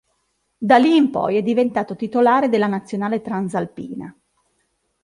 Da lì in poi è diventato titolare della nazionale transalpina.